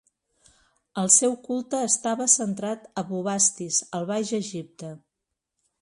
El seu culte estava centrat a Bubastis, al Baix Egipte.